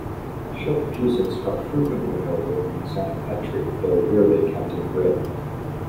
Sheltopusiks are frequently available in the exotic pet trade, though rarely captive-bred.